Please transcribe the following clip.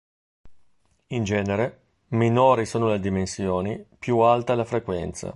In genere, minori sono le dimensioni, più alta è la frequenza.